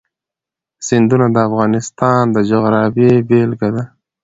سیندونه د افغانستان د جغرافیې بېلګه ده.